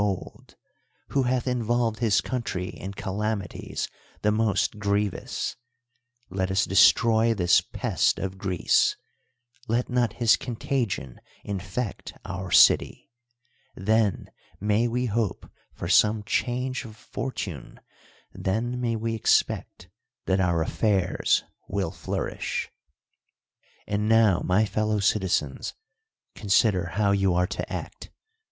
old ; who hath involved his country in calami ties the most grievous; let us destroy this pest of Greece ; let not his contagion infect our city ; then may we hope for some change of fortune, then may we expect that our affairs will flourish. And now, my fellow citizens, consider how you are to act.